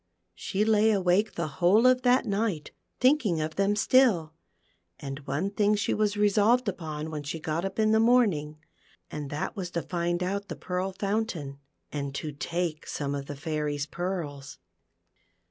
She lay awake the whole of that night, thinking of them still ; and one thing she was resolved upon when she got up in the morning, and that was to find out the Pearl Fountain, and to take some of the Fairy's pearls.